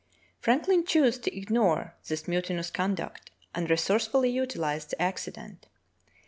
Frank lin chose to ignore this mutinous conduct and resource fully utilized the accident.